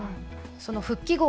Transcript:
その復帰後